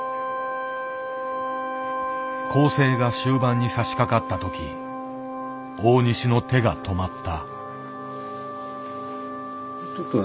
校正が終盤にさしかかったとき大西の手が止まった。